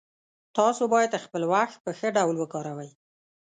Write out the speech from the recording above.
تاسو باید خپل وخت په ښه ډول وکاروئ